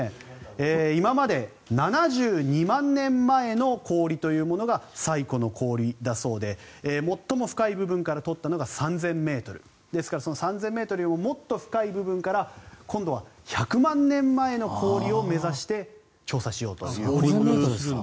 今まで７２万年前の氷というものが最古の氷だそうで最も深い部分から取ったのが３０００ｍですからその３０００ｍよりももっと深い部分から今度は１００万年前の氷を目指して調査しようという。